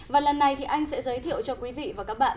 và lần này thì anh sẽ giới thiệu cho quý vị và các bạn